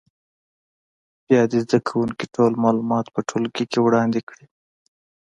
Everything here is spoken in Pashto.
بیا دې زده کوونکي ټول معلومات په ټولګي کې وړاندې کړي.